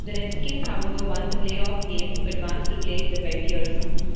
The Redskins, however, won the playoff game to advance to play the Bears.